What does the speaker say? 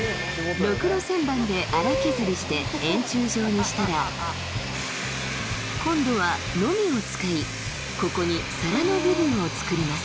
ろくろ旋盤で荒削りして円柱状にしたら今度はノミを使いここに皿の部分を作ります